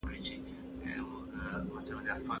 نجلۍ په ډېر وقار سره د الوتکې له زینو ښکته شوه.